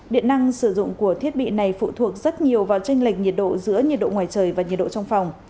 điện năng sử dụng của thiết bị này phụ thuộc rất nhiều vào tranh lệch nhiệt độ giữa nhiệt độ ngoài trời và nhiệt độ trong phòng